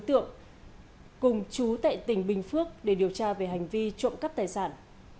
cơ quan công an đã bắt tạm giam ba đối tượng cùng chú tại tỉnh bình phước để điều tra về hành vi trộm cắp tài sản